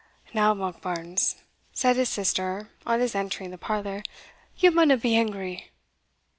"Now, Monkbarns," said his sister, on his entering the parlour, "ye maunna be angry."